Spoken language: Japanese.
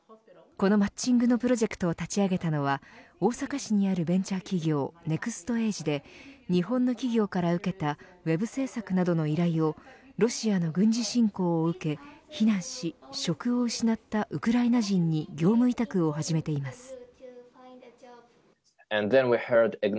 このマッチングのプロジェクトを立ち上げたのは大阪市にあるベンチャー企業ネクストエージで日本の企業から受けたウェブ制作などの依頼をロシアの軍事侵攻を受け避難し職を失ったウクライナ人に業務委託を始めています。